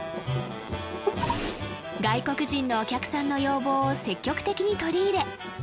外国人のお客さんの要望を積極的に取り入れ